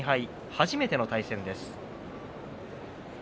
初めての対戦です。